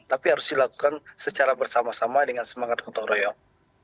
tapi harus dilakukan secara bersama sama dengan semangat gotong royong